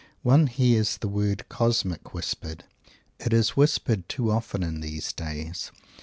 One hears the word "cosmic" whispered. It is whispered too often in these days.